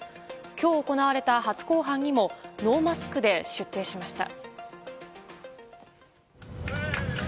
今日行われた初公判にもノーマスクで出廷しました。